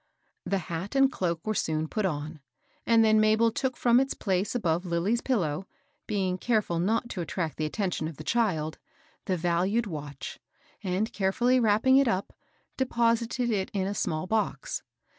The hat and cloak were soon put on ; and then Mabel took from its place above Lilly's pillow, be ing careful not to attract the attention of the child, the valued watch, and, carefully wrapping it up, deposited it in a small box.